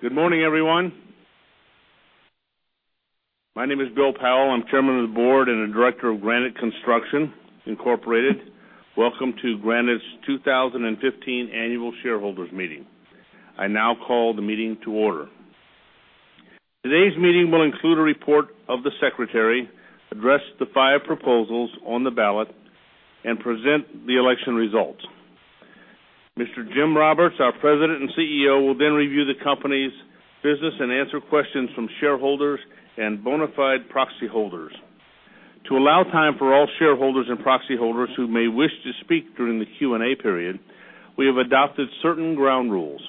Good morning, everyone. My name is Bill Powell. I'm Chairman of the Board and the Director of Granite Construction, Incorporated. Welcome to Granite's 2015 annual shareholders meeting. I now call the meeting to order. Today's meeting will include a report of the Secretary, address the five proposals on the ballot, and present the election results. Mr. Jim Roberts, our President and CEO, will then review the company's business and answer questions from shareholders and bona fide proxy holders. To allow time for all shareholders and proxy holders who may wish to speak during the Q&A period, we have adopted certain ground rules.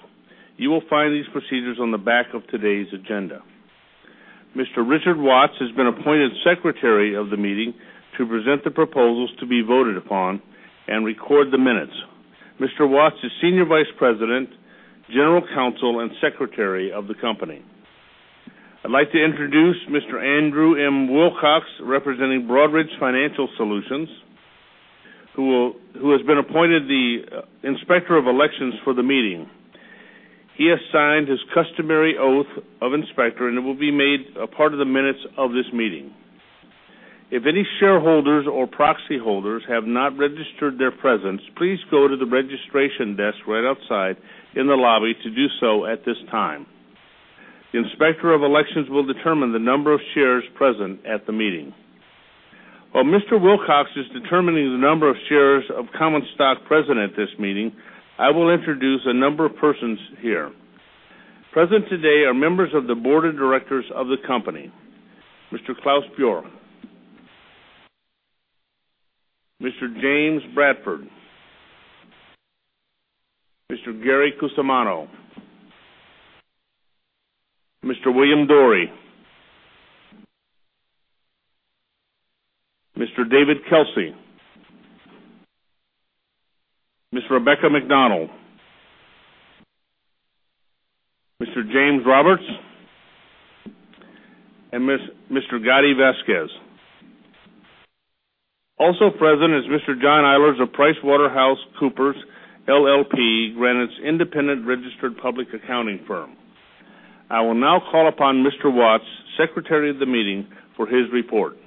You will find these procedures on the back of today's agenda. Mr. Richard Watts has been appointed Secretary of the Meeting to present the proposals to be voted upon and record the minutes. Mr. Watts is Senior Vice President, General Counsel, and Secretary of the Company. I'd like to introduce Mr. Andrew M. Wilcox, representing Broadridge Financial Solutions, who has been appointed the Inspector of Elections for the meeting. He has signed his customary oath of inspector, and it will be made a part of the minutes of this meeting. If any shareholders or proxy holders have not registered their presence, please go to the registration desk right outside in the lobby to do so at this time. The Inspector of Elections will determine the number of shares present at the meeting. While Mr. Wilcox is determining the number of shares of common stock present at this meeting, I will introduce a number of persons here. Present today are members of the Board of Directors of the Company: Mr. Claes Bjork, Mr. James Bradford, Mr. Gary Cusumano, Mr. William Dorey, Mr. David Kelsey, Ms. Rebecca McDonald, Mr. James Roberts, and Mr. Gaddi Vasquez. Also present is Mr. John Eilers of PricewaterhouseCoopers LLP, Granite's independent registered public accounting firm. I will now call upon Mr. Watts, Secretary of the Meeting, for his report.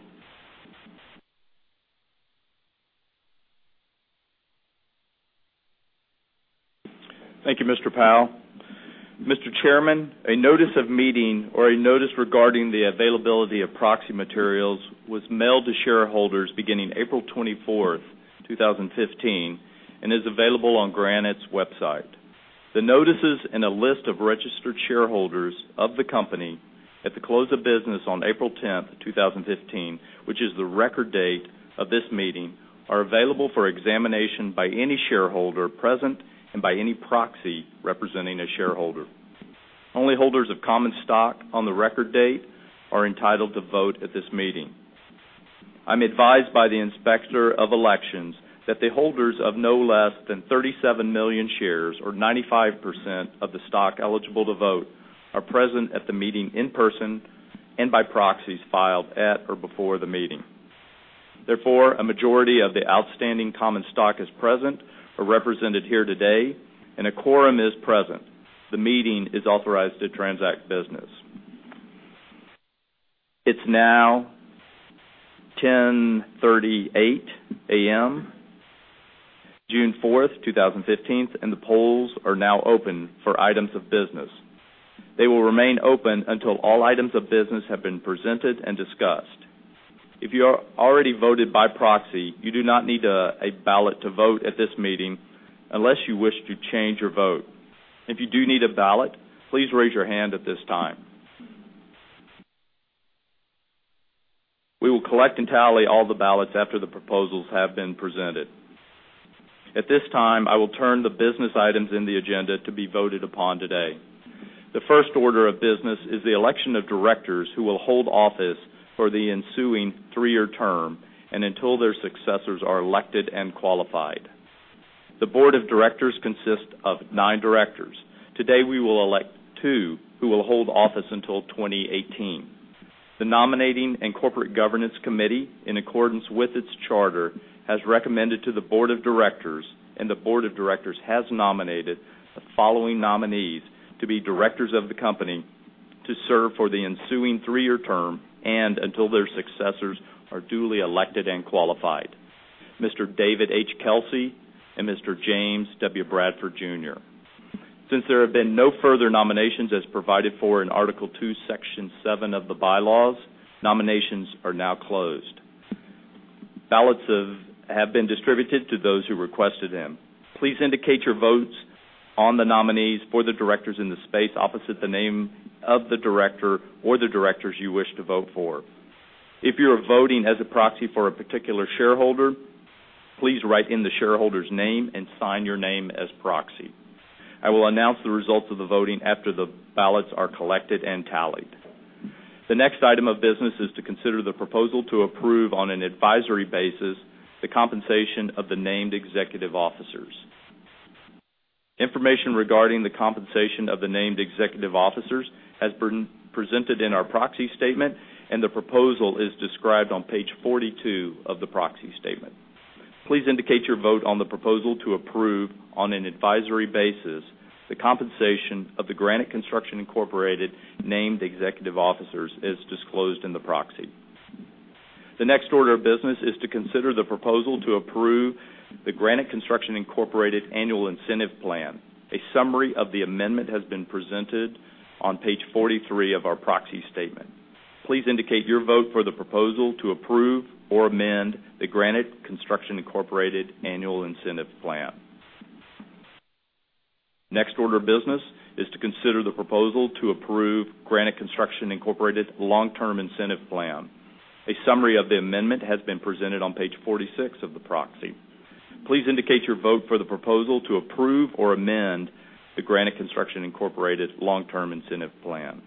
Thank you, Mr. Powell. Mr. Chairman, a notice of meeting, or a notice regarding the availability of proxy materials, was mailed to shareholders beginning April 24, 2015, and is available on Granite's website. The notices and a list of registered shareholders of the Company at the close of business on April 10, 2015, which is the record date of this meeting, are available for examination by any shareholder present and by any proxy representing a shareholder. Only holders of common stock on the record date are entitled to vote at this meeting. I'm advised by the Inspector of Elections that the holders of no less than 37 million shares, or 95% of the stock eligible to vote, are present at the meeting in person and by proxies filed at or before the meeting. Therefore, a majority of the outstanding common stock is present or represented here today, and a quorum is present. The meeting is authorized to transact business. It's now 10:38 A.M., June 4, 2015, and the polls are now open for items of business. They will remain open until all items of business have been presented and discussed. If you are already voted by proxy, you do not need a ballot to vote at this meeting unless you wish to change your vote. If you do need a ballot, please raise your hand at this time. We will collect entirely all the ballots after the proposals have been presented. At this time, I will turn the business items in the agenda to be voted upon today. The first order of business is the election of directors who will hold office for the ensuing three-year term and until their successors are elected and qualified. The Board of Directors consists of nine directors. Today, we will elect two who will hold office until 2018. The Nominating and Corporate Governance Committee, in accordance with its charter, has recommended to the Board of Directors, and the Board of Directors has nominated the following nominees to be directors of the Company to serve for the ensuing three-year term and until their successors are duly elected and qualified: Mr. David H. Kelsey and Mr. James W. Bradford, Jr. Since there have been no further nominations as provided for in Article 2, Section 7 of the bylaws, nominations are now closed. Ballots have been distributed to those who requested them. Please indicate your votes on the nominees for the directors in the space opposite the name of the director or the directors you wish to vote for. If your voting has a proxy for a particular shareholder, please write in the shareholder's name and sign your name as proxy. I will announce the results of the voting after the ballots are collected and tallied. The next item of business is to consider the proposal to approve on an advisory basis the compensation of the named executive officers. Information regarding the compensation of the named executive officers has been presented in our proxy statement, and the proposal is described on page 42 of the proxy statement. Please indicate your vote on the proposal to approve on an advisory basis the compensation of the Granite Construction Incorporated named executive officers as disclosed in the proxy. The next order of business is to consider the proposal to approve the Granite Construction Incorporated Annual Incentive Plan. A summary of the amendment has been presented on page 43 of our proxy statement. Please indicate your vote for the proposal to approve or amend the Granite Construction Incorporated Annual Incentive Plan. Next order of business is to consider the proposal to approve Granite Construction Incorporated Long-Term Incentive Plan. A summary of the amendment has been presented on page 46 of the proxy. Please indicate your vote for the proposal to approve or amend the Granite Construction Incorporated Long-Term Incentive Plan.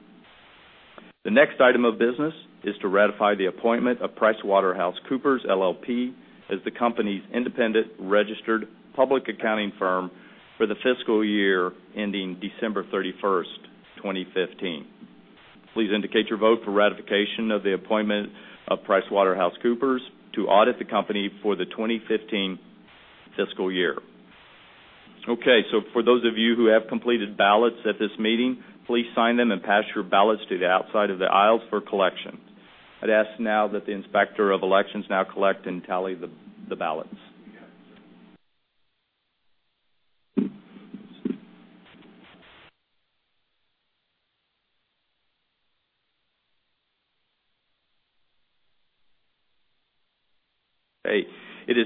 The next item of business is to ratify the appointment of PricewaterhouseCoopers LLP as the Company's independent registered public accounting firm for the fiscal year ending December 31, 2015. Please indicate your vote for ratification of the appointment of PricewaterhouseCoopers to audit the Company for the 2015 fiscal year. Okay, so for those of you who have completed ballots at this meeting, please sign them and pass your ballots to the outside of the aisles for collection. I'd ask now that the Inspector of Elections now collect and tally the ballots.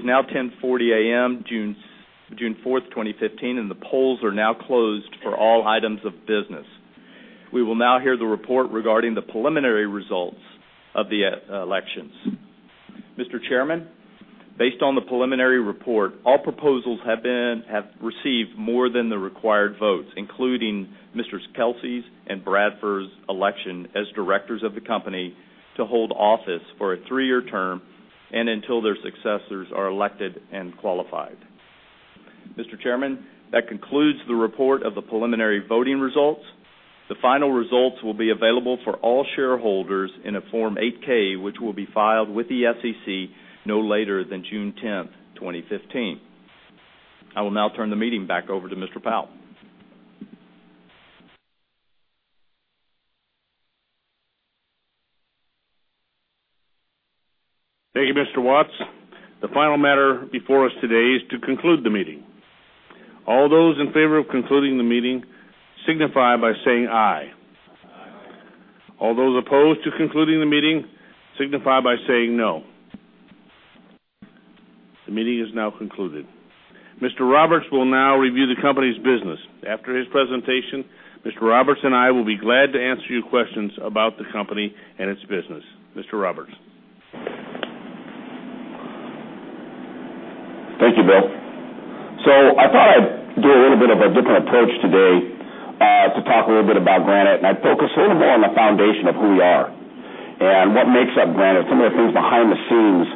Okay, it is now 10:40 A.M., June 4, 2015, and the polls are now closed for all items of business. We will now hear the report regarding the preliminary results of the elections. Mr. Chairman, based on the preliminary report, all proposals have received more than the required votes, including Mr. Kelsey's and Bradford's election as directors of the Company to hold office for a three-year term and until their successors are elected and qualified. Mr. Chairman, that concludes the report of the preliminary voting results. The final results will be available for all shareholders in a Form 8-K, which will be filed with the SEC no later than June 10, 2015. I will now turn the meeting back over to Mr. Powell. Thank you, Mr. Watts. The final matter before us today is to conclude the meeting. All those in favor of concluding the meeting, signify by saying, "Aye. Aye. All those opposed to concluding the meeting, signify by saying, "No." The meeting is now concluded. Mr. Roberts will now review the Company's business. After his presentation, Mr. Roberts and I will be glad to answer your questions about the Company and its business. Mr. Roberts. Thank you, Bill. I thought I'd do a little bit of a different approach today to talk a little bit about Granite, and I'd focus a little more on the foundation of who we are and what makes up Granite, some of the things behind the scenes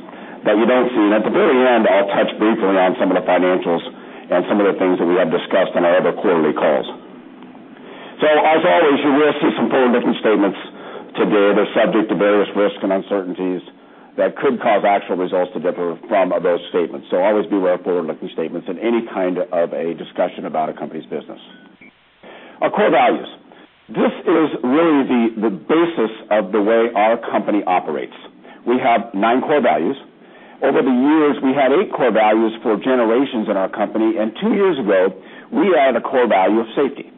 that you don't see. At the very end, I'll touch briefly on some of the financials and some of the things that we have discussed on our other quarterly calls. As always, you will see some forward-looking statements today that are subject to various risks and uncertainties that could cause actual results to differ from those statements. Always beware of forward-looking statements in any kind of a discussion about a company's business. Our core values. This is really the basis of the way our company operates. We have nine core values. Over the years, we had eight core values for generations in our Company, and two years ago, we added a core value of safety.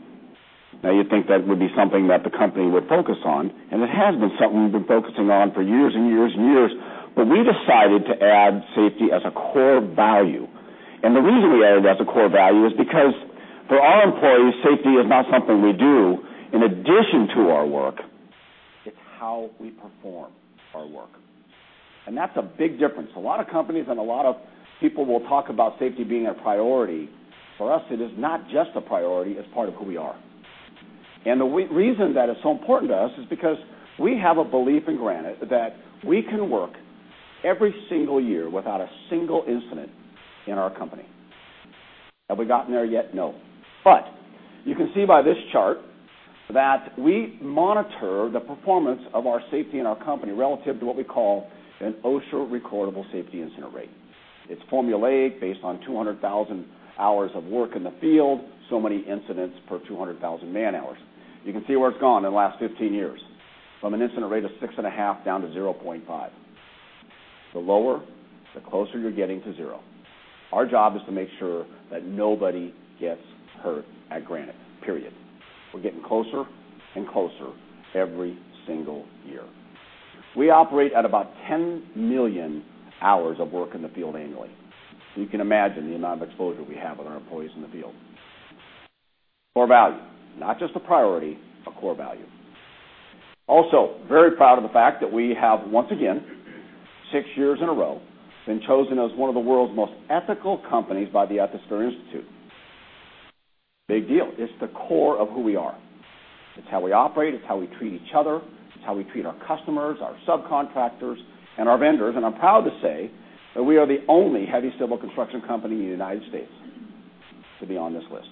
Now, you'd think that would be something that the Company would focus on, and it has been something we've been focusing on for years and years and years, but we decided to add safety as a core value. The reason we added it as a core value is because for our employees, safety is not something we do in addition to our work. It's how we perform our work. That's a big difference. A lot of companies and a lot of people will talk about safety being a priority. For us, it is not just a priority. It's part of who we are. The reason that it's so important to us is because we have a belief in Granite that we can work every single year without a single incident in our Company. Have we gotten there yet? No. But you can see by this chart that we monitor the performance of our safety in our Company relative to what we call an OSHA Recordable Safety Incident Rate. It's formula based on 200,000 hours of work in the field, so many incidents per 200,000 man-hours. You can see where it's gone in the last 15 years, from an incident rate of 6.5 down to 0.5. The lower, the closer you're getting to zero. Our job is to make sure that nobody gets hurt at Granite, period. We're getting closer and closer every single year. We operate at about 10 million hours of work in the field annually. You can imagine the amount of exposure we have with our employees in the field. Core value. Not just a priority, a core value. Also, very proud of the fact that we have, once again, six years in a row, been chosen as one of the world's most ethical companies by the Ethisphere Institute. Big deal. It's the core of who we are. It's how we operate, it's how we treat each other, it's how we treat our customers, our subcontractors, and our vendors. And I'm proud to say that we are the only heavy civil construction company in the United States to be on this list.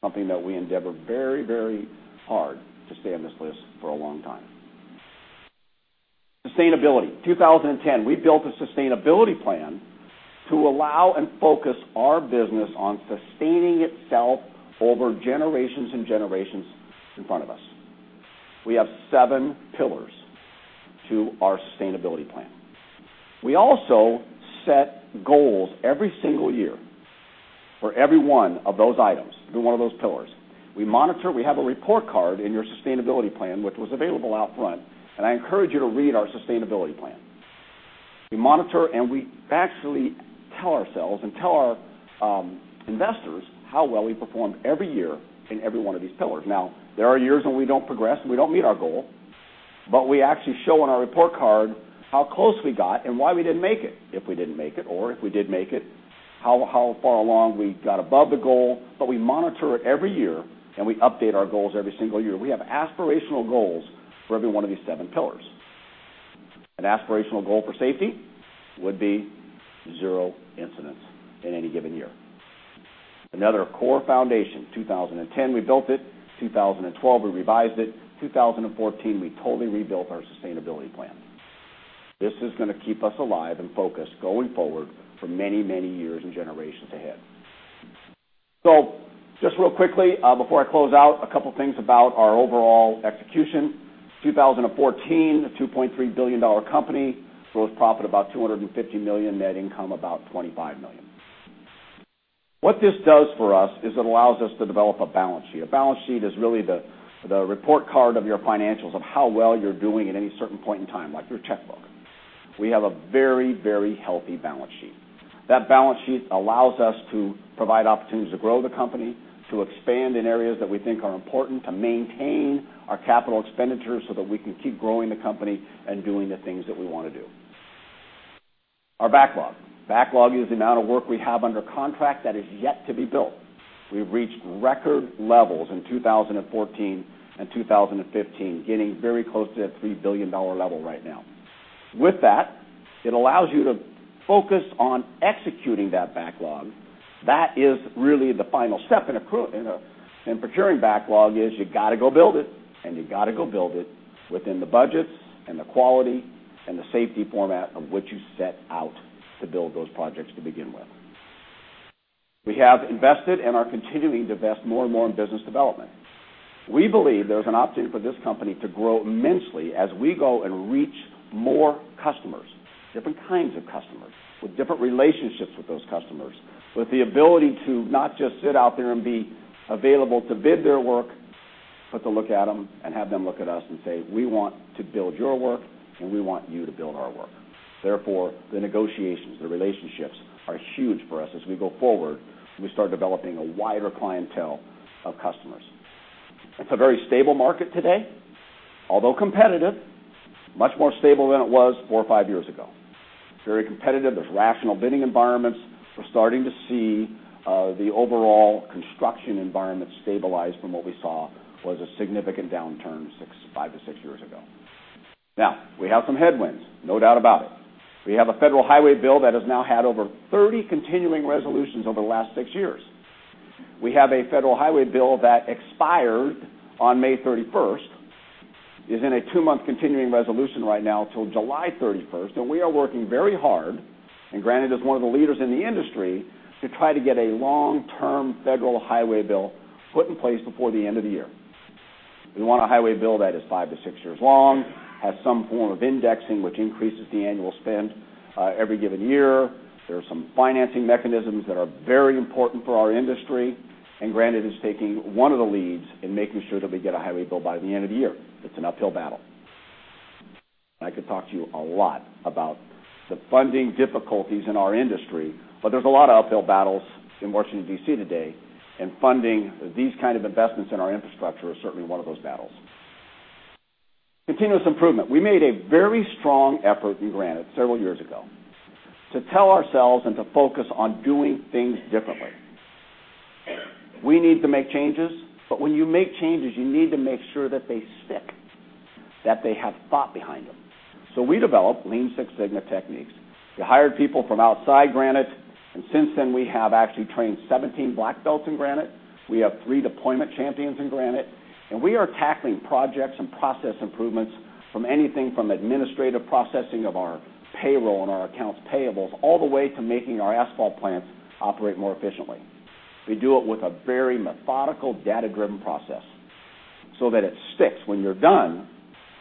Something that we endeavor very, very hard to stay on this list for a long time. Sustainability. 2010, we built a sustainability plan to allow and focus our business on sustaining itself over generations and generations in front of us. We have seven pillars to our Sustainability Plan. We also set goals every single year for every one of those items, every one of those pillars. We monitor. We have a report card in your Sustainability Plan, which was available out front, and I encourage you to read our Sustainability Plan. We monitor and we actually tell ourselves and tell our investors how well we performed every year in every one of these pillars. Now, there are years when we don't progress and we don't meet our goal, but we actually show on our report card how close we got and why we didn't make it. If we didn't make it, or if we did make it, how far along we got above the goal. But we monitor it every year and we update our goals every single year. We have aspirational goals for every one of these seven pillars. An aspirational goal for safety would be zero incidents in any given year. Another core foundation. 2010, we built it. 2012, we revised it. 2014, we totally rebuilt our Sustainability Plan. This is going to keep us alive and focused going forward for many, many years and generations ahead. So just real quickly, before I close out, a couple of things about our overall execution. 2014, a $2.3 billion company gross profit about $250 million, net income about $25 million. What this does for us is it allows us to develop a balance sheet. A balance sheet is really the report card of your financials of how well you're doing at any certain point in time, like your checkbook. We have a very, very healthy balance sheet. That balance sheet allows us to provide opportunities to grow the Company, to expand in areas that we think are important, to maintain our capital expenditures so that we can keep growing the Company and doing the things that we want to do. Our backlog. Backlog is the amount of work we have under contract that is yet to be built. We've reached record levels in 2014 and 2015, getting very close to that $3 billion level right now. With that, it allows you to focus on executing that backlog. That is really the final step in procuring backlog is you've got to go build it, and you've got to go build it within the budgets and the quality and the safety format of which you set out to build those projects to begin with. We have invested and are continuing to invest more and more in business development. We believe there's an opportunity for this Company to grow immensely as we go and reach more customers, different kinds of customers, with different relationships with those customers, with the ability to not just sit out there and be available to bid their work, but to look at them and have them look at us and say, "We want to build your work, and we want you to build our work." Therefore, the negotiations, the relationships are huge for us as we go forward. We start developing a wider clientele of customers. It's a very stable market today, although competitive, much more stable than it was four or five years ago. Very competitive. There's rational bidding environments. We're starting to see the overall construction environment stabilize from what we saw was a significant downturn five to six years ago. Now, we have some headwinds, no doubt about it. We have a federal highway bill that has now had over 30 continuing resolutions over the last six years. We have a federal highway bill that expired on May 31st, is in a two-month continuing resolution right now till July 31st, and we are working very hard, and Granite is one of the leaders in the industry, to try to get a long-term federal highway bill put in place before the end of the year. We want a highway bill that is five to six years long, has some form of indexing which increases the annual spend every given year. There are some financing mechanisms that are very important for our industry, and Granite is taking one of the leads in making sure that we get a highway bill by the end of the year. It's an uphill battle. I could talk to you a lot about the funding difficulties in our industry, but there's a lot of uphill battles in Washington, D.C. today, and funding these kinds of investments in our infrastructure is certainly one of those battles. Continuous improvement. We made a very strong effort in Granite several years ago to tell ourselves and to focus on doing things differently. We need to make changes, but when you make changes, you need to make sure that they stick, that they have thought behind them. So we developed Lean Six Sigma techniques. We hired people from outside Granite, and since then, we have actually trained 17 Black Belts in Granite. We have 3 deployment champions in Granite, and we are tackling projects and process improvements from anything from administrative processing of our payroll and our accounts payables all the way to making our asphalt plants operate more efficiently. We do it with a very methodical, data-driven process so that it sticks. When you're done,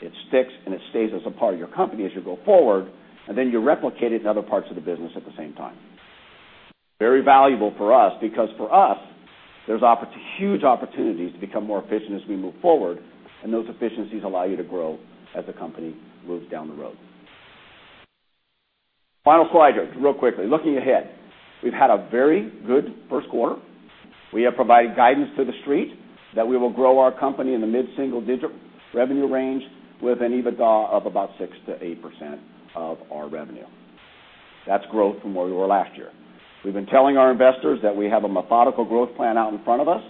it sticks and it stays as a part of your Company as you go forward, and then you replicate it in other parts of the business at the same time. Very valuable for us because for us, there's huge opportunities to become more efficient as we move forward, and those efficiencies allow you to grow as the Company moves down the road. Final slide here, real quickly. Looking ahead, we've had a very good first quarter. We have provided guidance to the street that we will grow our Company in the mid-single-digit revenue range with an EBITDA of about 6%-8% of our revenue. That's growth from where we were last year. We've been telling our investors that we have a methodical growth plan out in front of us,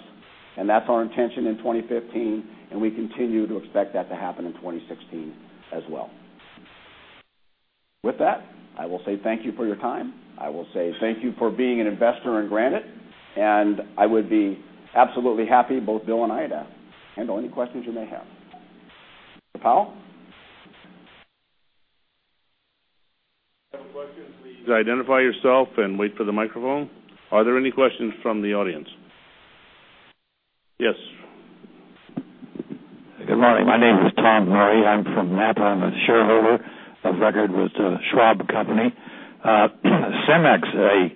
and that's our intention in 2015, and we continue to expect that to happen in 2016 as well. With that, I will say thank you for your time. I will say thank you for being an investor in Granite, and I would be absolutely happy, both Bill and I to handle any questions you may have. Mr. Powell? Does that identify yourself and wait for the microphone? Are there any questions from the audience? Yes. Good morning. My name is Tom Murray. I'm from Napa. I'm a shareholder of record with Schwab Company. CEMEX, a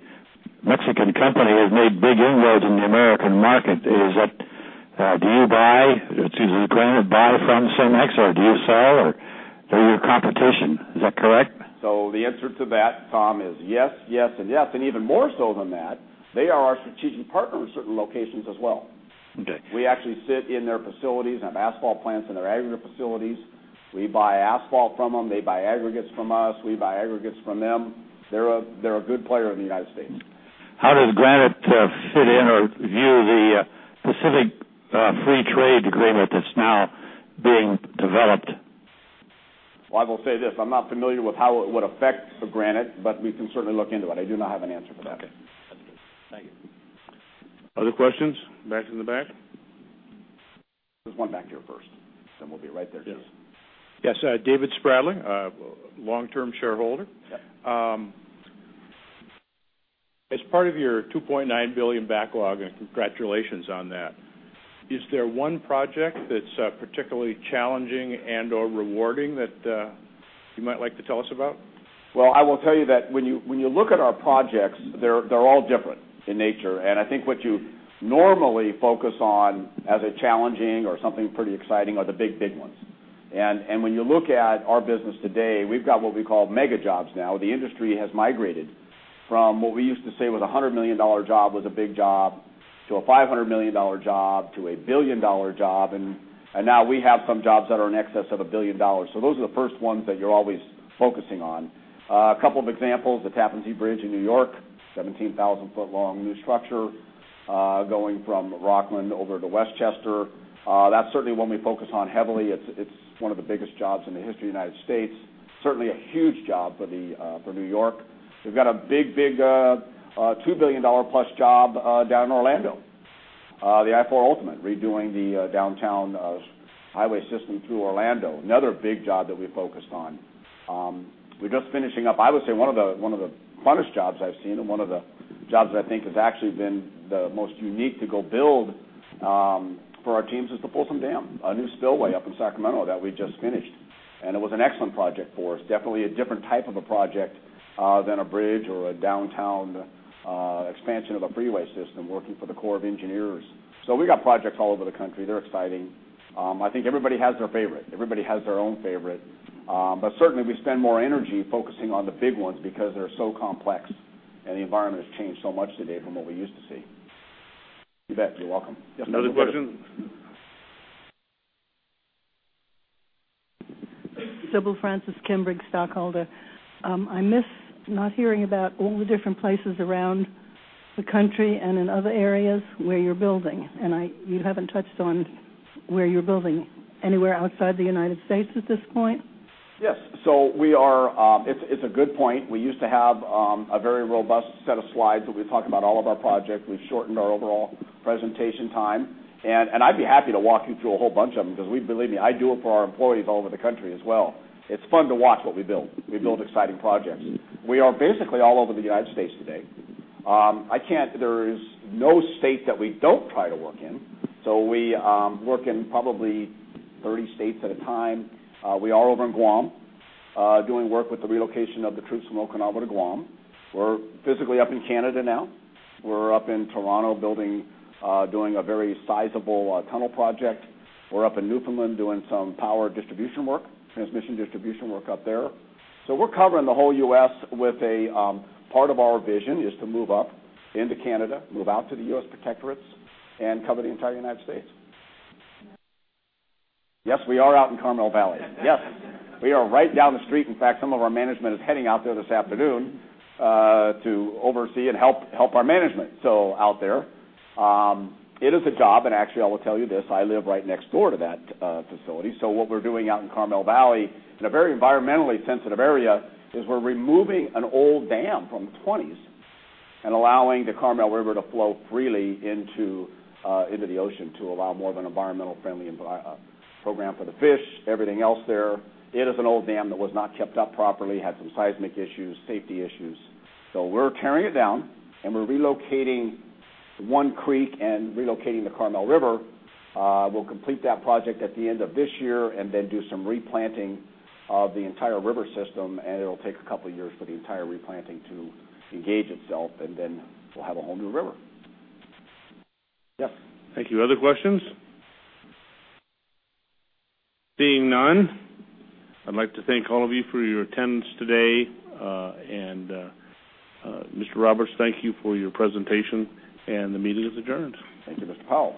Mexican company, has made big inroads in the American market. Do you buy Granite from CEMEX, or do you sell, or are you a competition? Is that correct? The answer to that, Tom, is yes, yes, and yes. Even more so than that, they are our strategic partner in certain locations as well. We actually sit in their facilities. They have asphalt plants in their aggregate facilities. We buy asphalt from them. They buy aggregates from us. We buy aggregates from them. They're a good player in the United States. How does Granite fit in or view the Pacific Free Trade Agreement that's now being developed? Well, I will say this. I'm not familiar with how it would affect Granite, but we can certainly look into it. I do not have an answer for that. Thank you. Other questions? Back in the back? There's one back here first, then we'll be right there too. Yes. David Spradling, long-term shareholder. As part of your $2.9 billion backlog, and congratulations on that, is there one project that's particularly challenging and/or rewarding that you might like to tell us about? Well, I will tell you that when you look at our projects, they're all different in nature. And I think what you normally focus on as a challenging or something pretty exciting are the big, big ones. And when you look at our business today, we've got what we call mega jobs now. The industry has migrated from what we used to say was a $100 million job was a big job to a $500 million job to a $1 billion job, and now we have some jobs that are in excess of $1 billion. So those are the first ones that you're always focusing on. A couple of examples, the Tappan Zee Bridge in New York, 17,000-foot long new structure going from Rockland over to Westchester. That's certainly one we focus on heavily. It's one of the biggest jobs in the history of the United States. Certainly a huge job for New York. We've got a big, big $2 billion-plus job down in Orlando. The I-4 Ultimate, redoing the downtown highway system through Orlando. Another big job that we focused on. We're just finishing up. I would say one of the funnest jobs I've seen, and one of the jobs that I think has actually been the most unique to go build for our teams is the Folsom Dam, a new spillway up in Sacramento that we just finished. It was an excellent project for us. Definitely a different type of a project than a bridge or a downtown expansion of a freeway system working for the Corps of Engineers. We've got projects all over the country. They're exciting. I think everybody has their favorite. Everybody has their own favorite. But certainly, we spend more energy focusing on the big ones because they're so complex, and the environment has changed so much today from what we used to see. You bet. You're welcome. Another question? Sybil Francis Kimberg, Stockholder. I miss not hearing about all the different places around the country and in other areas where you're building. You haven't touched on where you're building anywhere outside the United States at this point? Yes. So it's a good point. We used to have a very robust set of slides that we talk about all of our projects. We've shortened our overall presentation time. I'd be happy to walk you through a whole bunch of them because believe me, I do it for our employees all over the country as well. It's fun to watch what we build. We build exciting projects. We are basically all over the United States today. There is no state that we don't try to work in. We work in probably 30 states at a time. We are over in Guam doing work with the relocation of the troops from Okinawa to Guam. We're physically up in Canada now. We're up in Toronto doing a very sizable tunnel project. We're up in Newfoundland doing some power distribution work, transmission distribution work up there. So we're covering the whole U.S. with a part of our vision is to move up into Canada, move out to the U.S. protectorates, and cover the entire United States. Yes, we are out in Carmel Valley. Yes. We are right down the street. In fact, some of our management is heading out there this afternoon to oversee and help our management out there. It is a job, and actually, I will tell you this. I live right next door to that facility. So what we're doing out in Carmel Valley, in a very environmentally sensitive area, is we're removing an old dam from the '20s and allowing the Carmel River to flow freely into the ocean to allow more of an environmental-friendly program for the fish, everything else there. It is an old dam that was not kept up properly, had some seismic issues, safety issues. So we're tearing it down, and we're relocating one creek and relocating the Carmel River. We'll complete that project at the end of this year and then do some replanting of the entire river system, and it'll take a couple of years for the entire replanting to engage itself, and then we'll have a whole new river. Yes. Thank you. Other questions? Seeing none, I'd like to thank all of you for your attendance today. Mr. Roberts, thank you for your presentation, and the meeting is adjourned. Thank you, Mr. Powell.